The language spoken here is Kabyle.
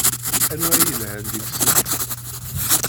Anwa ay yelhan deg-sen?